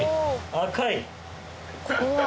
赤い！